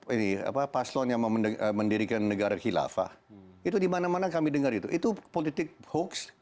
ini paslon yang mendirikan negara khilafah itu dimana mana kami dengar itu itu politik hoax